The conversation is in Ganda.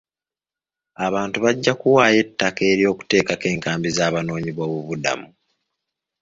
Abantu bajja kuwaayo ettaka ery'uteekako enkambi z'abanoonyi b'obubudamu.